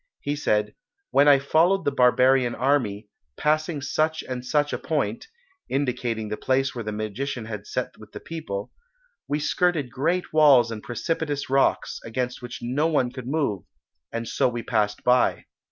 He said, "When I followed the barbarian army, passing such and such a point" indicating the place where the magician had sat with the people "we skirted great walls and precipitous rocks, against which no one could move, and so we passed by."